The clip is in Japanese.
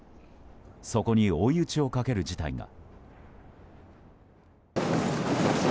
そこに追い打ちをかける事態が。